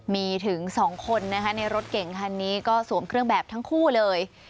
มีถึง๒คนนะคะในรถเก่งคันนี้ก็สวมเครื่องแบบทั้งคู่เลย